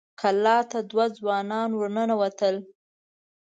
کلا ته دوه ځوانان ور ننوتل.